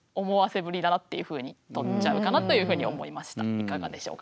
いかがでしょうか？